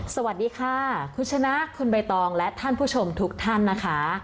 สวัสดีค่ะคุณชนะคุณใบตองและท่านผู้ชมทุกท่านนะคะ